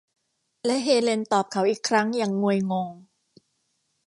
และเฮเลนตอบเขาอีกครั้งอย่างงวยงง